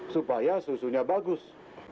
supaya susunya bagus